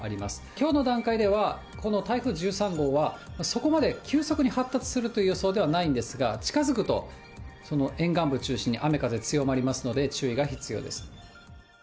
きょうの段階では、この台風１３号は、そこまで急速に発達するという予想ではないんですが、近づくと、沿岸部中心に雨風強まりますので、注意が必要です。